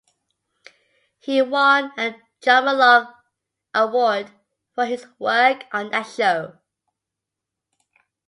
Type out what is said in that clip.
He won a Drama-Logue Award for his work on that show.